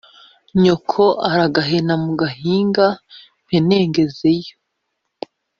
nyoko aragahena mu gah inga mpenengeze yo